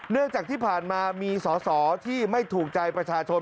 เนื่องจากที่ผ่านมามีสอสอที่ไม่ถูกใจประชาชน